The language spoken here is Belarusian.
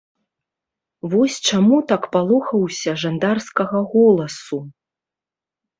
Вось чаму так палохаўся жандарскага голасу.